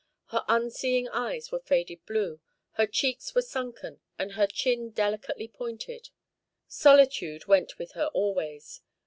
Her unseeing eyes were faded blue, her cheeks were sunken, and her chin delicately pointed. Solitude went with her always.